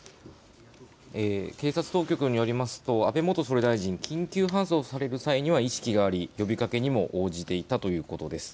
警察当局によりますと安倍元総理大臣、緊急搬送される際には意識があり、呼びかけにも応じていたということです。